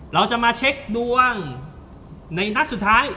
เราจะมาเช็คดวงในนัดสุดท้าย